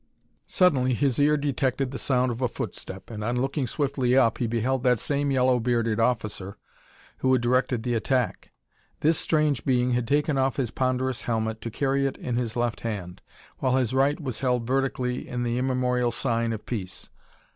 Suddenly his ear detected the sound of a footstep and, on looking swiftly up, he beheld that same yellow bearded officer who had directed the attack. This strange being had taken off his ponderous helmet to carry it in his left hand, while his right was held vertically in the immemorial sign of peace.